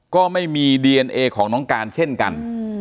ก็ไม่มีดีเอนเอของน้องการเช่นกัน